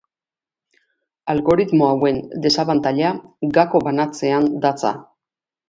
Algoritmo hauen desabantaila gako banatzean datza.